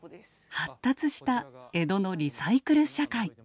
発達した江戸のリサイクル社会。